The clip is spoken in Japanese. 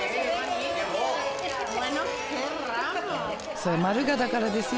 それマルガだからですよ